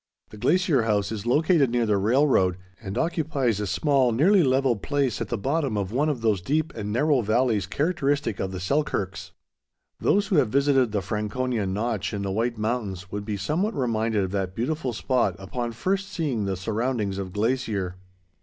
The Glacier House is located near the railroad, and occupies a small, nearly level, place at the bottom of one of those deep and narrow valleys characteristic of the Selkirks. Those who have visited the Franconia Notch in the White Mountains would be somewhat reminded of that beautiful spot upon first seeing the surroundings of Glacier.